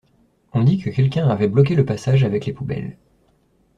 On dit que quelqu’un avait bloqué le passage avec les poubelles.